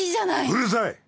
うるさい！